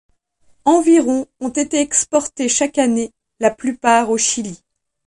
Environ ont été exportées chaque année, la plupart au Chili.